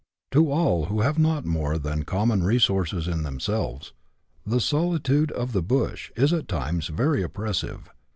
To all who have not more than common resources in themselves, the solitude of " the bush " is at times very oppressive.